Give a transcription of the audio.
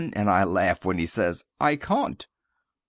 And I laugh when he says "I caun't."